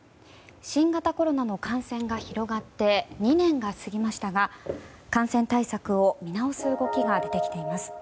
新型コロナの感染が広がって２年が過ぎましたが感染対策を見直す動きが出てきています。